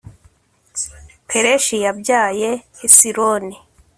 pereshi yabyaye hesironi